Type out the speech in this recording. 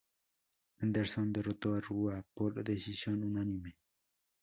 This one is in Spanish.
Henderson derrotó a Rua por decisión unánime.